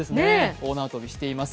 大縄跳びしています。